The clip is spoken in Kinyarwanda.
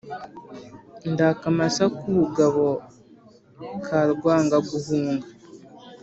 ndi akamasa k’ubugabo ka Rwangaguhunga